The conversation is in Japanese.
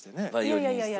いやいやいやいや。